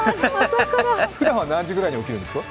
ふだんは何時ぐらいに起きるんですか？